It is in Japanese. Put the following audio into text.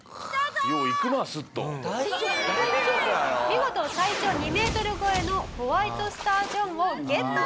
見事体長２メートル超えのホワイトスタージョンをゲット。